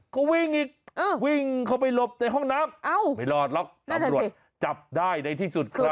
ก็วิ่งอีกวิ่งเข้าไปหลบในห้องน้ำไม่รอดหรอกตำรวจจับได้ในที่สุดครับ